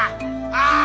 ああ！